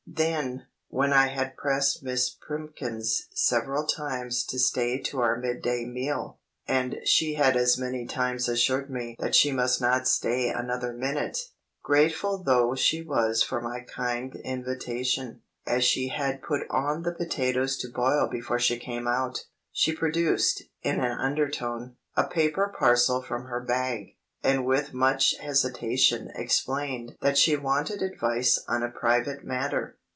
Then, when I had pressed Miss Primkins several times to stay to our midday meal, and she had as many times assured me that she must not stay another minute, grateful though she was for my kind invitation, as she had put on the potatoes to boil before she came out, she produced (in an undertone) a paper parcel from her bag, and with much hesitation explained that she wanted advice on a private matter.